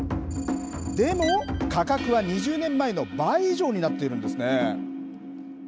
でも価格は２０年前の倍以上になっているんですね。